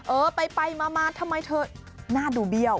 เออไปมาทำไมเธอหน้าดูเบี้ยว